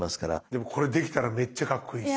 でもこれできたらめっちゃかっこいい。